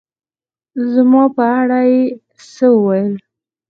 زما په اړه يې څه ووېل